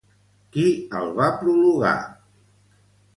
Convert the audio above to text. Qui el va prologar?